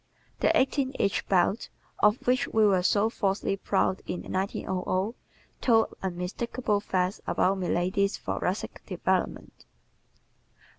The eighteen inch belt, of which we were so falsely proud in 1900, told unmistakable facts about milady's thoracic development.